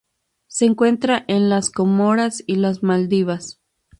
Se encuentra en las Comoras y las Maldivas.